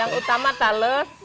yang utama talas